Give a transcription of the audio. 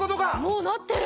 もうなってる！